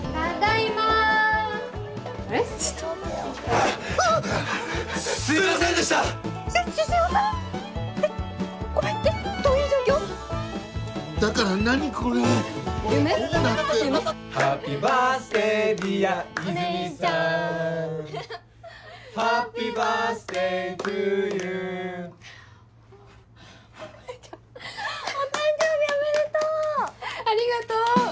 ありがとう！